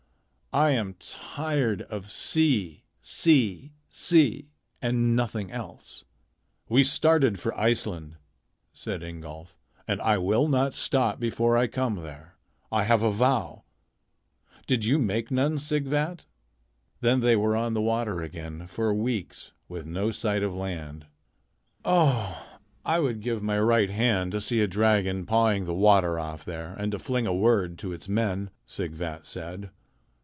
I am tired of sea, sea, sea, and nothing else." "We started for Iceland," said Ingolf, "and I will not stop before I come there. I have a vow. Did you make none, Sighvat?" Then they were on the water again for weeks with no sight of land. "Oh! I would give my right hand to see a dragon pawing the water off there and to fling a word to its men," Sighvat said.